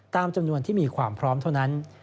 ตามจำนวนที่มีความพร้อมเท่านั้น